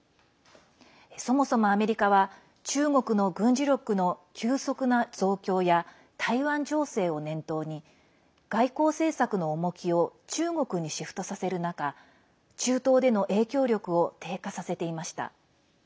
そもそもアメリカは中国の軍事力の急速な増強や台湾情勢を念頭に外交政策の重きを中国にシフトさせる中中東での影響力を低下させていました。